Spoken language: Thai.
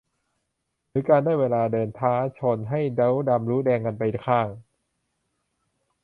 หรือได้เวลาเดินหน้าท้าชนให้รู้ดำรู้แดงกันไปข้าง